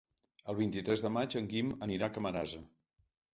El vint-i-tres de maig en Guim anirà a Camarasa.